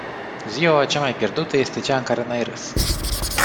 Ziua cea mai pierdută este cea în care n-ai râs.